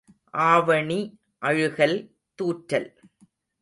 ஆவணி அழுகல் தூற்றல்.